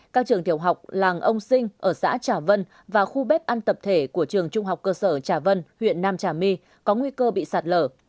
các trường tiểu học làng ông sinh ở xã trà vân và khu bếp ăn tập thể của trường trung học cơ sở trà vân huyện nam trà my có nguy cơ bị sạt lở